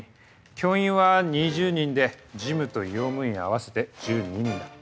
教員は２０人で事務と用務員合わせて１２人だ。